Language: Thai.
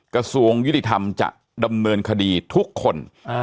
กระทรวงยุติธรรมจะดำเนินคดีทุกคน